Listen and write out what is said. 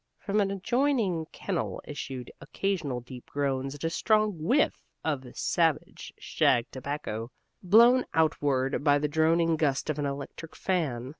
From an adjoining kennel issued occasional deep groans and a strong whiff of savage shag tobacco, blown outward by the droning gust of an electric fan.